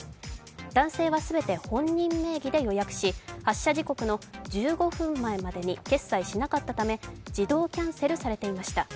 男性は全て本人名義で予約し、発車時刻の１５分前までに決済しなかったため、自動キャンセルされていました。